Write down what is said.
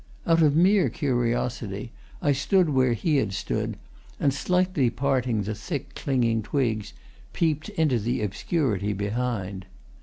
Out of mere curiosity, I stood where he had stood, and slightly parting the thick, clinging twigs, peeped into the obscurity behind.